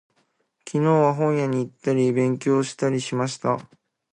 昨日は、本屋に行ったり、勉強したりしました。